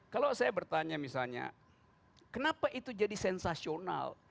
kalau saya bertanya misalnya kenapa itu jadi sensasional